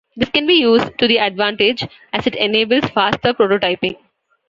This can be used to their advantage as it enables faster prototyping.